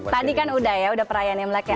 tadi kan udah ya udah perayaan imlek ya